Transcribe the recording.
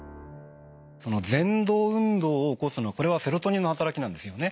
ぜん動運動を起こすのこれはセロトニンの働きなんですよね。